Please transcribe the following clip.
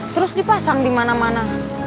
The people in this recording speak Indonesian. terus dipasang di mana mana